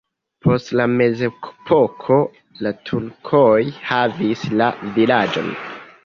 Post la mezepoko la turkoj havis la vilaĝon.